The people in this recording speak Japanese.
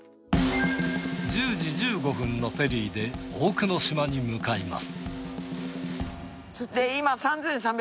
１０時１５分のフェリーで大久野島に向かいます。